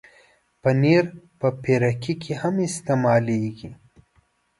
پنېر په پیروکي کې استعمالېږي.